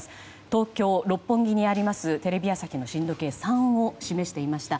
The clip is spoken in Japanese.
東京・六本木にありますテレビ朝日の震度計は３を示していました。